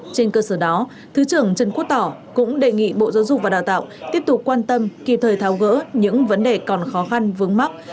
trên cơ sở đó thứ trưởng trần quốc tỏ cũng đề nghị bộ giáo dục và đào tạo tiếp tục quan tâm kịp thời tháo gỡ những vấn đề còn khó khăn vướng mắt